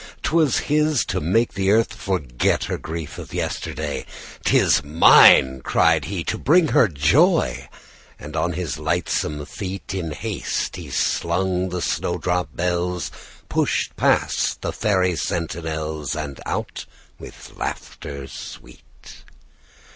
'Twas his to make the Earth forget Her grief of yesterday. "'Tis mine," cried he, "to bring her joy!" And on his lightsome feet In haste he slung the snowdrop bells, Pushed past the Fairy sentinels, And out with laughter sweet.